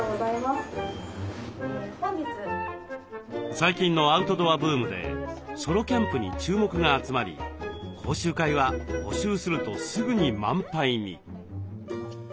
最近のアウトドアブームでソロキャンプに注目が集まり講習会は募集するとすぐに満杯に。